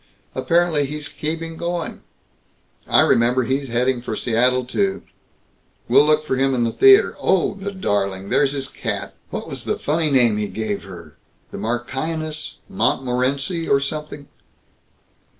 Apparently he's keeping going. I remember; he's headed for Seattle, too. We'll look for him in the theater. Oh, the darling, there's his cat! What was the funny name he gave her the Marchioness Montmorency or something?"